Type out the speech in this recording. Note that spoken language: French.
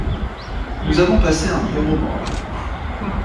Nous avons passé un bon moment avec vous.